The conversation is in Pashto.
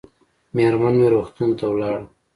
مېرمن مې روغتون ته ولاړه